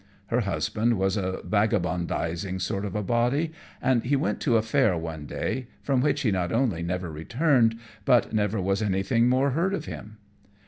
Her husband was a vagabondizing sort of a body, and he went to a fair one day, from which he not only never returned, but never was anything more heard of him.